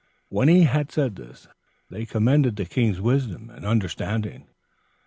When he had said this, they commended the king's wisdom and understanding.